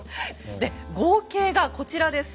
で合計がこちらです。